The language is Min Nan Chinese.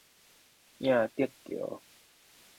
映竹橋